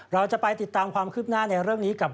เราจะไปติดตามความคืบหน้าในเรื่องนี้กับ